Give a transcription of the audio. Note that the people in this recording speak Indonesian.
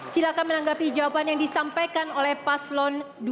silahkan menanggapi jawaban yang disampaikan oleh paslon dua